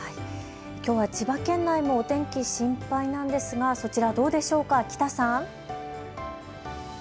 きょうは千葉県内もお天気心配なんですが、そちらどうでしょうか、喜多さん。